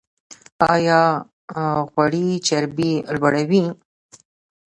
ایا غوړي چربي لوړوي؟